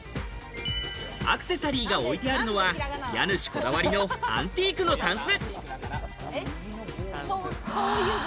アクセサリーが置いてあるのは、家主こだわりのアンティークのタンス。